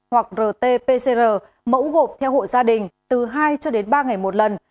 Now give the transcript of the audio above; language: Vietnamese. hoặc rt pcr mẫu gộp theo hộ gia đình từ hai cho đến ba ngày một lần